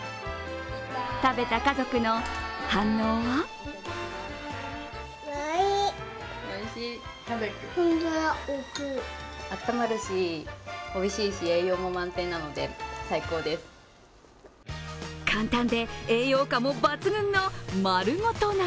食べた家族の反応は簡単で栄養価も抜群のまるごと鍋。